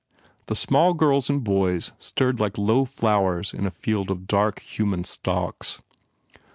The small girls and boys stirred like low flowers in a field of dark, human stalks.